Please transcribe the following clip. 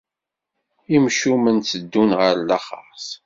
Imcumen tteddun ɣer laxert.